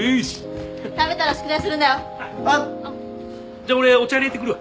じゃあ俺お茶入れてくるわ。